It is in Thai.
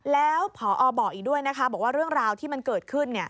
แล้วพอบอกอีกด้วยนะคะบอกว่าเรื่องราวที่มันเกิดขึ้น